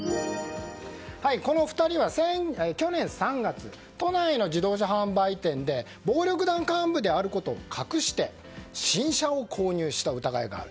この２人は去年３月都内の自動車販売店で暴力団幹部であることを隠して新車を購入した疑いがある。